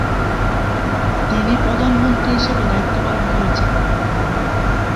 তিনি প্রধানমন্ত্রী হিসেবে দায়িত্বপালন করেছেন।